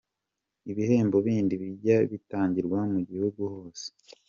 Ibihembo bindi bizajya bitangirwa mu gihugu hose.